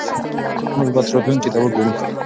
موږ باید راتلونکي ته وګورو.